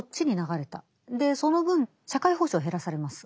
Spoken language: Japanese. その分社会保障減らされます。